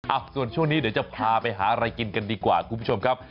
ส่วนช่วงนี้เดี๋ยวจะพาไปหาอะไรกินกันดีกว่าคุณผู้ชมครับ